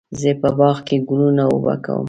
زه په باغ کې ګلونه اوبه کوم.